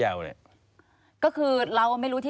แล้วเขาสร้างเองว่าห้ามเข้าใกล้ลูก